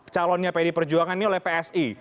calonnya pd perjuangan ini oleh psi